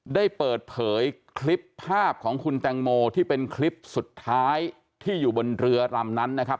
ได้เปิดเผยคลิปภาพของคุณแตงโมที่เป็นคลิปสุดท้ายที่อยู่บนเรือลำนั้นนะครับ